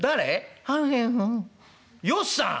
「よっさん」。